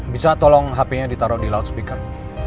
bisa tolong hpnya ditaruh di loudspeaker